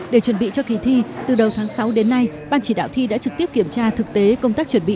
để chuẩn bị cho kỳ thi từ đầu tháng sáu đến nay ban chỉ đạo thi đã trực tiếp kiểm tra thực tế công tác chuẩn bị